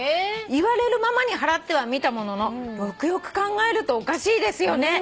「言われるままに払ってはみたもののよくよく考えるとおかしいですよね」